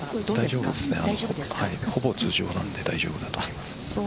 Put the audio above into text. ほぼ通常なので大丈夫だと思います。